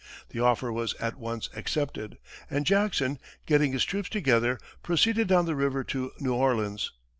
The offer was at once accepted, and Jackson, getting his troops together, proceeded down the river to New Orleans.